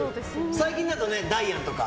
最近だとダイアンとか。